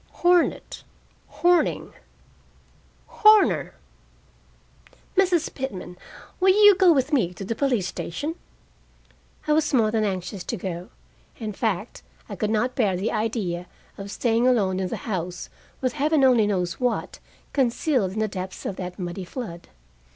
Hornet, Horning, Horner Mrs. Pitman, will you go with me to the police station?" I was more than anxious to go. In fact, I could not bear the idea of staying alone in the house, with heaven only knows what concealed in the depths of that muddy flood.